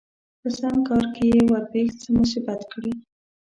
په سم کار کې يې ورپېښ څه مصيبت کړي